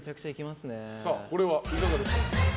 これはいかがでしょう？